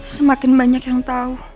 semakin banyak yang tau